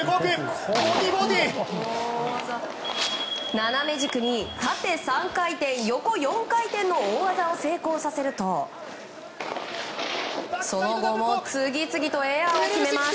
斜め軸に縦３回転横４回転の大技を成功させるとその後も次々とエアを決めます。